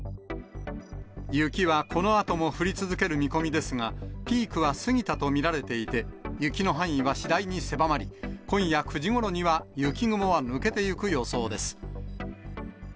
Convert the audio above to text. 雪はこのあとも降り続ける見込みですが、ピークは過ぎたと見られていて、雪の範囲は次第に狭まり、今夜９時ごろには、雪雲は抜けてゆく予想です。